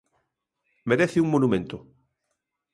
Merece un monumento.